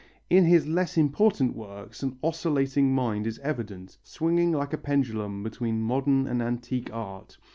In his less important works an oscillating mind is evident, swinging like a pendulum between modern and antique art.